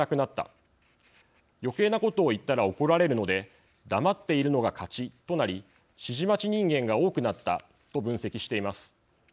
余計なことを言ったら怒られるので黙っているのが勝ちとなり指示待ち人間が多くなった」と分析しています。